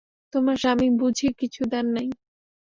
তোমার স্বামী বুঝি কিছু দেন নাই?